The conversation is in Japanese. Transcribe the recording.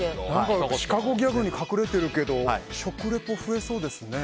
シカゴギャグに隠れてるけど食リポ増えそうですね